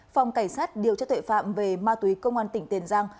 phòng cảnh sát điều tra tuệ phạm về ma túy công an tỉnh tiền giang